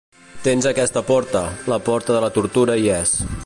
Tens aquesta porta, la porta de la tortura hi és.